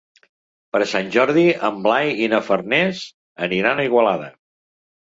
Per Sant Jordi en Blai i na Farners aniran a Igualada.